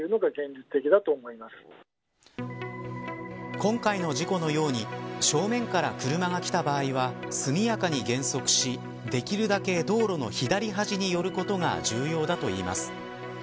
今回の事故のように正面から車が来た場合は速やかに減速しできるだけ道路の左端に寄ることが重要だといいます。